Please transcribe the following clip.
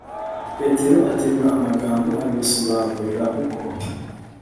Petero aterura amagambo abibasobanurira uko